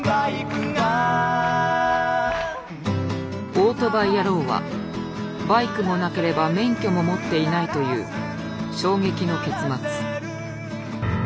「オートバイ野郎」はバイクもなければ免許も持っていないという衝撃の結末。